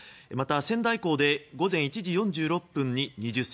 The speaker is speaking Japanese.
また、仙台港で午前１時４６分に２０ｃｍ